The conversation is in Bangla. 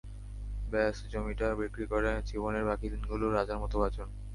ব্যস জমিটা বিক্রি করে জীবনের বাকি দিনগুলো রাজার মতো বাঁচুন।